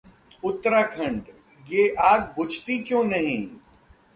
उत्तराखंडः ये आग बुझती क्यों नहीं?